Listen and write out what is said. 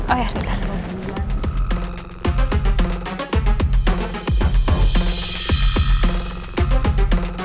oh ya sebentar